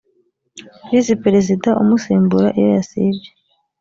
visi perezida umusimbura iyo yasibye